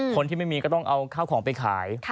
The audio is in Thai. คนที่ไม่มีก็ต้องเอาข้าวของไปขาย